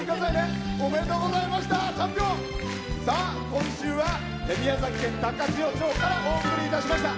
今週は宮崎県高千穂町からお送りいたしました。